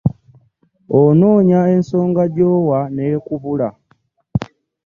Onoonya ensonga gy'owa n'ekubula.